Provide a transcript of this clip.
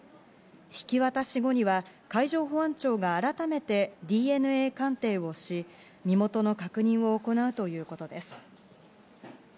引き渡し後には海上保安庁が改めてＤＮＡ鑑定し、身元の確認を行うということです。